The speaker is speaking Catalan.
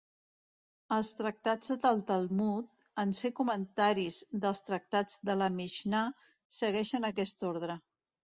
Els tractats del Talmud, en ser comentaris dels tractats de la Mixnà, segueixen aquest ordre.